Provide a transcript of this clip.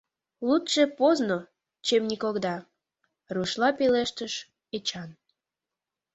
— Лучше поздно, чем никогда! — рушла пелештыш Эчан.